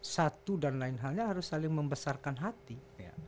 satu dan lain halnya harus saling membesarkan hati